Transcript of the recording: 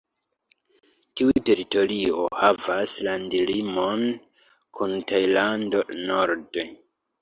Tiu teritorio havas landlimon kun Tajlando norde.